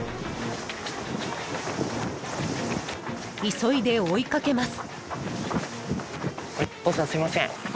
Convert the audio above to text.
［急いで追い掛けます］